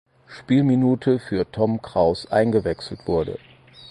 Spielminute für Tom Krauß eingewechselt wurde.